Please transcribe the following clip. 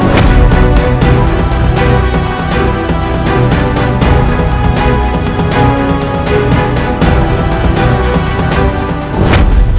saya berharap bisa menemukan anda